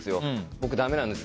僕、だめなんです。